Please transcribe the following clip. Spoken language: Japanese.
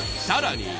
更に。